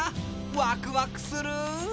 ワクワクする！